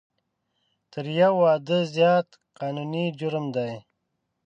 تر یو واده زیات قانوني جرم دی